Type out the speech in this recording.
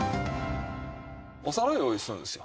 お皿を用意するんですよ。